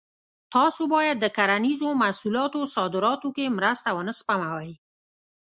تاسو باید د کرنیزو محصولاتو صادراتو کې مرسته ونه سپموئ.